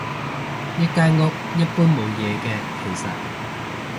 一間屋，一般冇嘢嘅其實